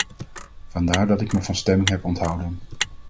Vandaar dat ik me van stemming heb onthouden.